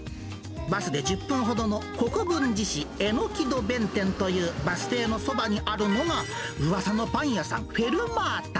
バスで１０分ほどの国分寺市榎戸弁天というバス停のそばにあるのが、うわさのパン屋さん、フェルマータ。